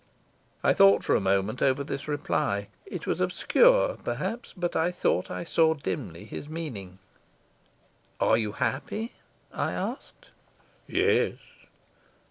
I thought for a moment over this reply. It was obscure, perhaps, but I thought that I saw dimly his meaning. "Are you happy?" I asked. "Yes."